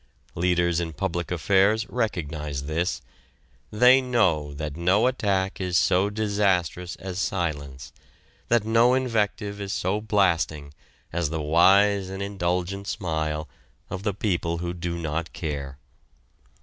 Leaders in public affairs recognize this. They know that no attack is so disastrous as silence, that no invective is so blasting as the wise and indulgent smile of the people who do not care.